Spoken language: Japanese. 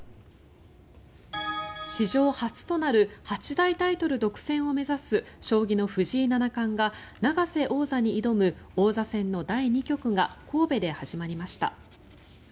史上初となる八大タイトル独占を目指す将棋の藤井七冠が永瀬王座に挑む王座戦の第２局が神戸で始まりました。